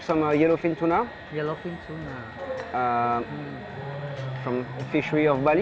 saya mengambil beberapa tuna putih hijau dari bali